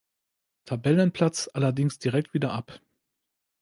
Tabellenplatz allerdings direkt wieder ab.